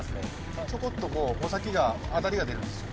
ちょこっとこう穂先がアタリが出るんですよ。